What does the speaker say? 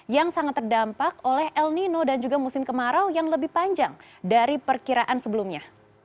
yang sangat terdampak oleh el nino dan juga musim kemarau yang lebih panjang dari perkiraan sebelumnya